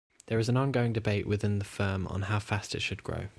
There is an ongoing debate within the firm on how fast it should grow.